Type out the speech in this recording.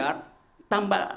tujuh ratus rdj tambah satu